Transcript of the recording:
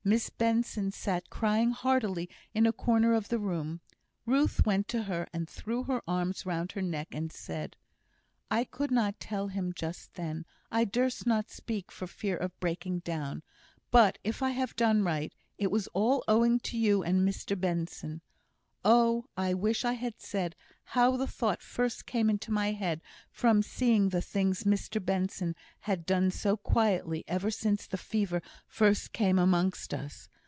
Miss Benson sat crying heartily in a corner of the room. Ruth went to her and threw her arms round her neck, and said: "I could not tell him just then. I durst not speak for fear of breaking down; but if I have done right, it was all owing to you and Mr Benson. Oh! I wish I had said how the thought first came into my head from seeing the things Mr Benson has done so quietly ever since the fever first came amongst us.